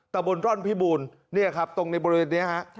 ตะบนร่อนพิบูรณ์เนี่ยครับตรงในบริเวณนี้ฮะ